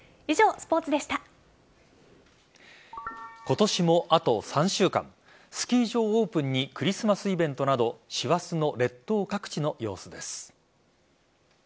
スキー場オープンにクリスマスイベントなど師走の列島各地の様子です。